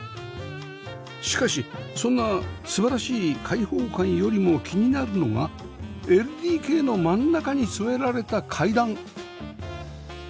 しかしそんな素晴らしい開放感よりも気になるのが ＬＤＫ の真ん中に据えられた階段